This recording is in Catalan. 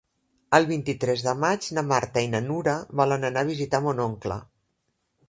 El vint-i-tres de maig na Marta i na Nura volen anar a visitar mon oncle.